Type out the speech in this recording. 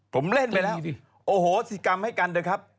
ผมเล่นไปแล้วโอโหสิกรรมให้กันเถอะครับ